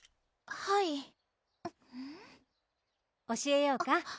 はい教えようか？